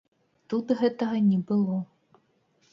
Тут гэтага не было.